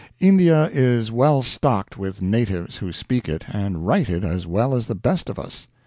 India is well stocked with natives who speak it and write it as well as the best of us.